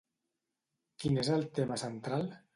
Quin és el tema central?